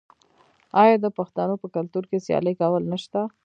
آیا د پښتنو په کلتور کې سیالي کول نشته؟